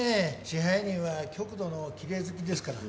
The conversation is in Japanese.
支配人は極度のきれい好きですから。